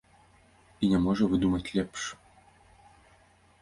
І не можа выдумаць лепш.